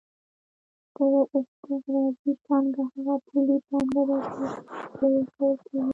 استقراضي پانګه هغه پولي پانګه ده چې پور ورکول کېږي